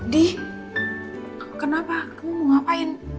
dih kenapa kamu mau ngapain